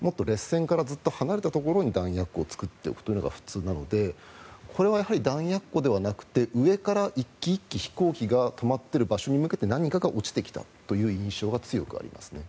もっと離れたところに弾薬庫を作っておくというのが普通なのでこれは弾薬庫ではなくて上から１機１機飛行機が止まっている場所に向けて何かが落ちてきたという印象が強くありますね。